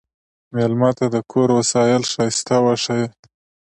مېلمه ته د کور وسایل ښايسته وښیه.